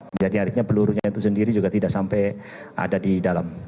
menjadi harinya pelurunya itu sendiri juga tidak sampai ada di dalam